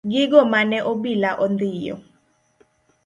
Gigo mane obila ondhiyo.